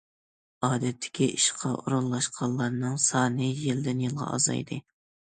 ئادەتتىكى ئىشقا ئورۇنلاشقانلارنىڭ سانى يىلدىن- يىلغا ئازايدى.